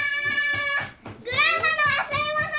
グランマの忘れ物！